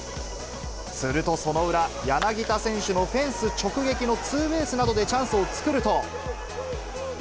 すると、その裏、柳田選手のフェンス直撃のツーベースなどでチャンスを作ると。